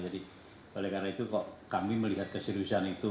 jadi oleh karena itu kok kami melihat keseriusan itu